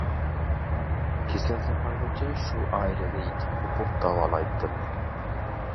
كېسەل ساقايغۇچە شۇ ئائىلىدە يېتىپ-قوپۇپ داۋالايتتىم.